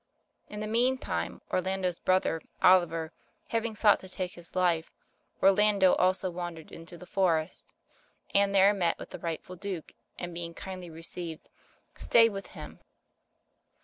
In the meantime, Orlando's brother, Oliver, having sought to take his life, Orlando also wandered into the forest, and there met with the rightful Duke, and being kindly received, stayed with him.